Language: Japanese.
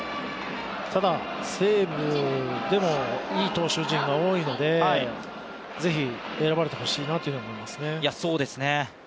ただ西武でもいい投手陣が多いので、ぜひ選ばれてほしいなと思いますね。